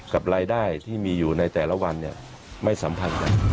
กับรายได้ที่มีอยู่ในแต่ละวันเนี่ยไม่สัมพันธ์กัน